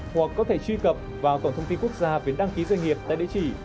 hoặc có thể truy cập vào cổng thông tin quốc gia về đăng ký doanh nghiệp tại địa chỉ